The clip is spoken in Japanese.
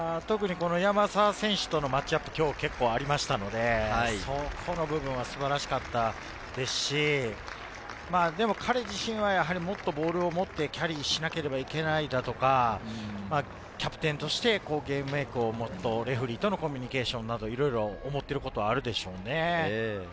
特に山沢選手とのマッチアップが結構ありましたので、そこの部分は素晴らしかったですし、彼自身はもっとボールを持ってキャリーしなければいけないだとか、キャプテンとしてゲームメークをもっとレフェリーとのコミュニケーションなど、いろいろ思ってることはあるでしょうね。